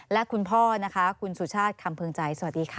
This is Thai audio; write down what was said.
และคุณพ่อนะคะคุณสุชาติคำพึงใจสวัสดีค่ะ